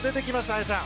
綾さん。